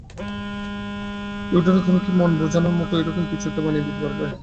Eudora, তুমি কি মন বুঝানোর মতো ওই রকম কিছু একটা বানিয়ে দিতে পারবে?